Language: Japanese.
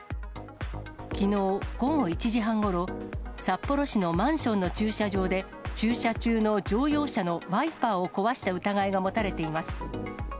きのう午後１時半ごろ、札幌市のマンションの駐車場で駐車中の乗用車のワイパーを壊した疑いが持たれています。